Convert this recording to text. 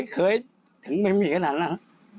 เคยถึงไม่มีขนาดนั้น